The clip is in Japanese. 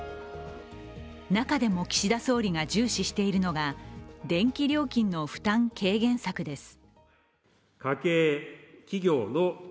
中でも岸田総理が重視しているのが電気料金の負担軽減策です。